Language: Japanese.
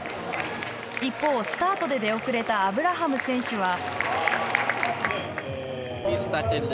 一方、スタートで出遅れたアブラハム選手は。